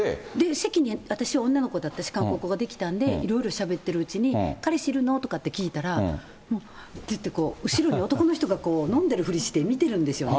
席に、私は女の子だったし、韓国語できたんで、いろいろしゃべってるうちに、彼氏いるの？とかって聞いたら、こうやって、後ろに男の人が飲んでるふりして見てるんですよね。